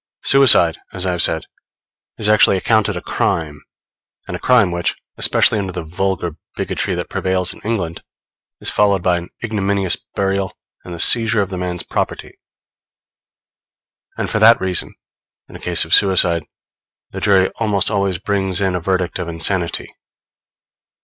Suicide, as I have said, is actually accounted a crime; and a crime which, especially under the vulgar bigotry that prevails in England, is followed by an ignominious burial and the seizure of the man's property; and for that reason, in a case of suicide, the jury almost always brings in a verdict of insanity.